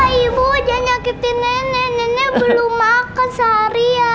bapak ibu jangan nyakitin nenek nenek belum makan seharian